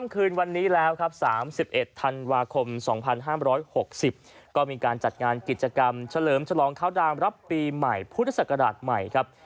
ข้าวดามรับปีใหม่พุทธศักราชใหม่ครับ